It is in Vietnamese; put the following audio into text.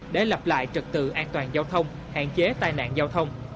để lập lại trật tự an toàn giao thông hạn chế tai nạn giao thông